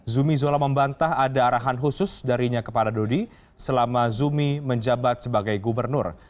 zumi zola membantah ada arahan khusus darinya kepada dodi selama zumi menjabat sebagai gubernur